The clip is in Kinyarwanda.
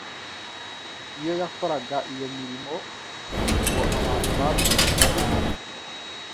iyo yakoraga iyo mirimo ngo abantu babibonaga nabi,